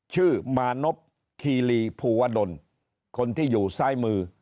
ชื่อมานบคีลีภูวะดลคนที่อยู่ซ้ายมือ